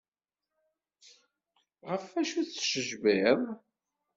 Ɣef acu tessejbiḍ?